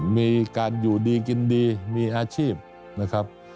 มีการอยู่ดีกินดีมีอาชีพนะครับ